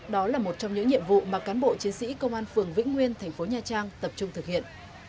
đó là một trong những nhiệm vụ mà cán bộ chiến sĩ công an phường vĩnh nguyên thành phố nha trang tập trung thực hiện